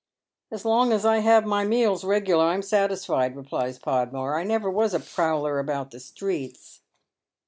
" As long as I have my meals regular I'm satisfied," replies Podmore, " I never was a prowler about the streets."